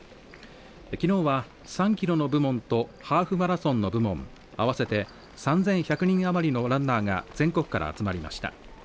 きのうは３キロの部門とハーフマラソンの部門合わせて３１００人余りのランナーが全国から集まりました。